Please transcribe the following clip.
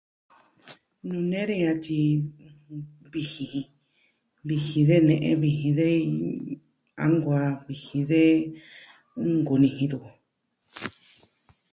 Nuu nee ne a tyi vijin ji. Vijin de ne'e, vijin de... a nkoo vijin de... nkuni jin du ko.